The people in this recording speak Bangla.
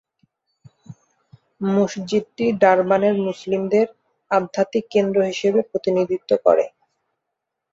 মসজিদটি ডারবানের মুসলিমদের আধ্যাত্মিক কেন্দ্র হিসেবে প্রতিনিধিত্ব করে।